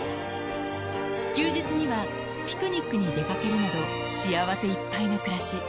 休日には、ピクニックに出かけるなど、幸せいっぱいの暮らし。